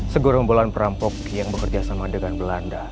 segorombolan perampok yang bekerja sama dengan belanda